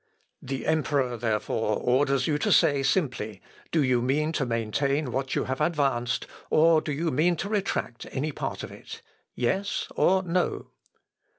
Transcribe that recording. The emperor, therefore, orders you to say simply, Do you mean to maintain what you have advanced, or do you mean, to retract any part of it yes, or no?"